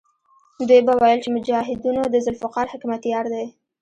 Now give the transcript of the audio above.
دوی به ویل چې مجاهدونو د ذوالفقار حکمتیار دی.